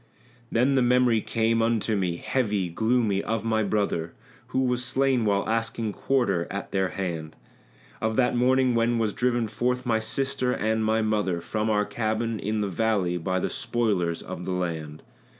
Then the memory came unto me, heavy, gloomy, of my brother Who was slain while asking quarter at their hand; Of that morning when was driven forth my sister and my mother From our cabin in the valley by the spoilers of the land.